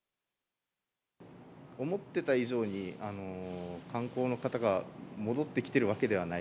思ってた以上に観光の方が戻ってきてるわけではない。